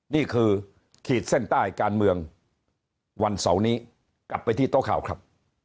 นี่คือขีดเส้นใต้การเมืองวันเสาร์นี้กลับไปที่โต๊ะข่าวครับ